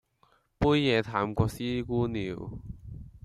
杯野淡過師姑尿